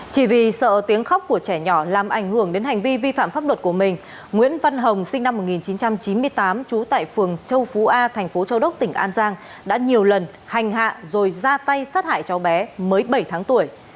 chỉ vì sợ tiếng khóc của trẻ nhỏ làm ảnh hưởng đến hành vi vi phạm pháp luật của mình nguyễn văn hồng sinh năm một nghìn chín trăm chín mươi tám trú tại phường châu phú a thành phố châu đốc tỉnh an giang đã nhiều lần hành hạ rồi ra tay sát hại cháu bé mới bảy tháng tuổi